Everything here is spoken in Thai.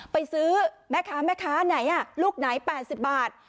ไปซื้อแม่ค้าแม่ค้าไหนอ่ะลูกไหนแปดสิบบาท